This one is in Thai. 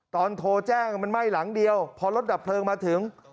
โทรแจ้งมันไหม้หลังเดียวพอรถดับเพลิงมาถึง